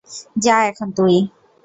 যা এখন তুই।